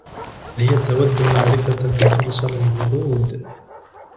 هي تودّ معرفة من أرسل الورود.